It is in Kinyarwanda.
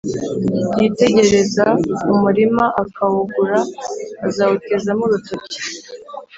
Yitegereza umurima akawugura, azawutezamo urutoki